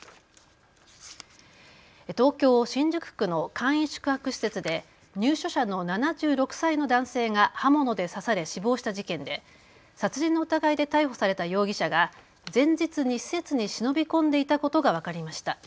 東京新宿区の簡易宿泊施設で入所者の７６歳の男性が刃物で刺され死亡した事件で殺人の疑いで逮捕された容疑者が前日に施設に忍び込んでいたことが分かりました。